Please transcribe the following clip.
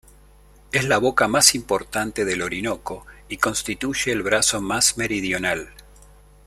Es la boca más importante del Orinoco y constituye el brazo más meridional.